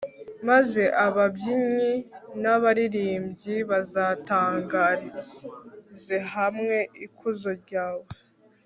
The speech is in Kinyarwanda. maze ababyinnyi n'abaririmbyi bazatangarize hamwe ikuzo ryawe